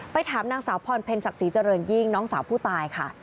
ถามนางสาวพรเพ็ญศักดิ์ศรีเจริญยิ่งน้องสาวผู้ตายค่ะ